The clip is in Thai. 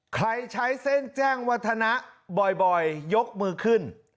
ใช้เส้นแจ้งวัฒนะบ่อยยกมือขึ้น